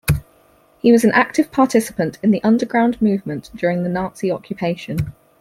He was an active participant in the Underground Movement during the Nazi occupation.